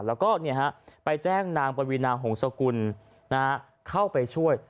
แล้วก็ไปแจ้งนางปวีนาหงษกุลเข้าไปช่วย